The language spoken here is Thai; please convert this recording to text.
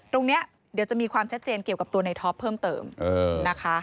ตรงนี้เดี๋ยวจะมีความแช่เจนกับตัวในท็อปเพิ่มเติมนะคะ